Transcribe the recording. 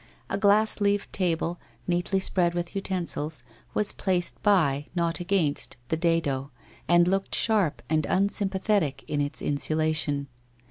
A glass leaved table, neatly spread with utensils, was placed by, not against, the dado, and looked sharp and unsympathetic in its insulation.